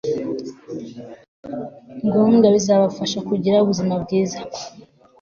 ngombwa bizabafasha kugira ubuzima bwiza